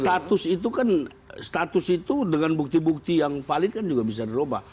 status itu kan status itu dengan bukti bukti yang valid kan juga bisa dirubah